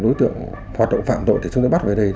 đối tượng hoạt động phạm tội thì chúng tôi bắt về đây